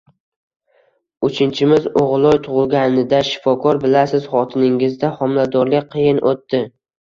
Uchinchimiz O`g`iloy tug`ilganida shifokor Bilasiz, xotiningizda homiladorlik qiyin o`tdi